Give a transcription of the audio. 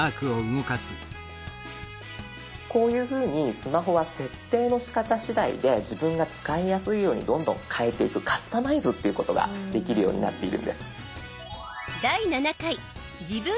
こういうふうにスマホは設定のしかたしだいで自分が使いやすいようにドンドン変えていくカスタマイズっていうことができるようになっているんです。